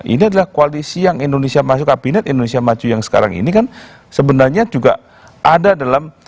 ini adalah koalisi yang indonesia masuk kabinet indonesia maju yang sekarang ini kan sebenarnya juga ada dalam